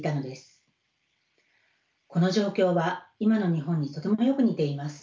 この状況は今の日本にとてもよく似ています。